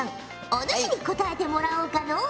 おぬしに答えてもらおうかのう。